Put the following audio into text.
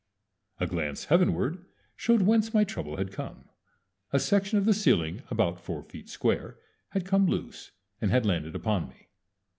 A glance heavenward showed whence my trouble had come. A section of the ceiling about four feet square had come loose, and had landed upon me.